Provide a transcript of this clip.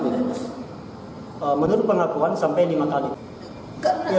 menurut pengakuan sampai lima kali